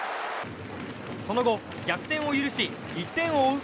その後、逆転を許し１点を追う